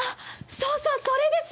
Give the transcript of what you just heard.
「そうそうそれです！」